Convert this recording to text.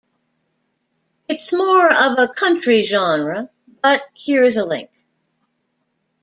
Its more of country genre but here is a link.